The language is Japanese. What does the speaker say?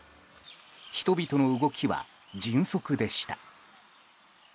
人々の動きは迅速でした。